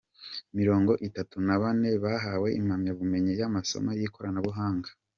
Mirongo itatu nabane bahawe impanyabumenyi y’amasomo yikorana buhanga